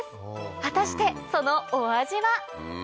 果たしてそのお味は？